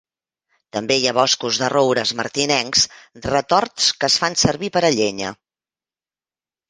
També hi ha boscos de roures martinencs retorts que es fan servir per a llenya.